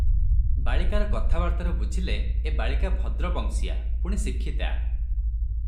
ବାଳିକାର କଥାବାର୍ତ୍ତାରୁ ବୁଝିଲେ, ଏ ବାଳିକା ଭଦ୍ର ବଂଶୀୟା- ପୁଣି ଶିକ୍ଷିତା ।